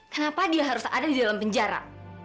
kenapa dia harus ada di dalam penjara